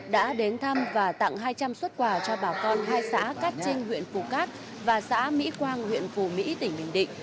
đã đến thăm và tặng hai trăm linh xuất quà cho bà con hai xã cát trinh huyện phù cát và xã mỹ quang huyện phù mỹ tỉnh bình định